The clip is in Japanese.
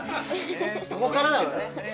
そこからだもんね。